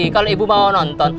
kalau ibu mau nonton